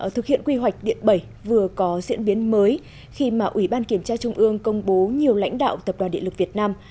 thực hiện quy hoạch điện bảy vừa có diễn biến mới khi mà ủy ban kiểm tra trung ương công bố nhiều lãnh đạo tập đoàn điện lực việt nam